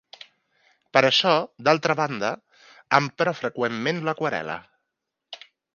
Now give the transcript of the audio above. Per a això, d'altra banda, empra freqüentment l'aquarel·la.